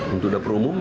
untuk dapur umum